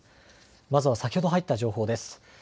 まずは先ほど入った情報です。